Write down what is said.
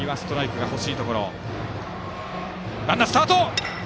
ランナースタート！